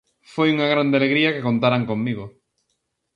Foi unha grande alegría que contaran comigo.